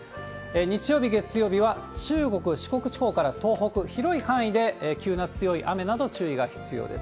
日曜日、月曜日は中国、四国地方から東北、広い範囲で急な強い雨など、注意が必要です。